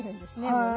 もうね。